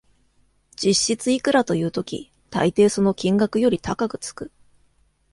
実質いくらという時、たいていその金額より高くつく